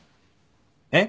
えっ？